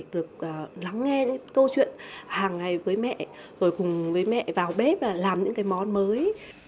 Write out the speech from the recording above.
được lắng nghe những câu chuyện hàng ngày với mẹ rồi cùng với mẹ vào bếp làm những cái món mới